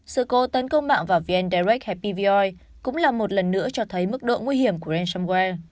sự cố tấn công mạng vào vn direct hay pvo cũng là một lần nữa cho thấy mức độ nguy hiểm của ransomware